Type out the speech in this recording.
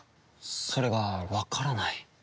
それがわからない。